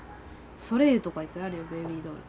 ソレイユとか行きゃあるよベビードール。